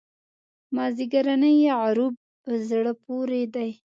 مازیګرنی غروب په زړه پورې دی.